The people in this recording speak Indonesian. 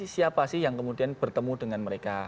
siapa sih yang kemudian bertemu dengan mereka